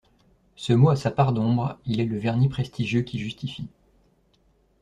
Ce mot a sa part d'ombre, il est le vernis prestigieux qui justifie